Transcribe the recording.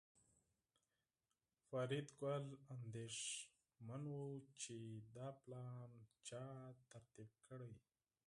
فریدګل اندېښمن شو چې دا پلان چا ترتیب کړی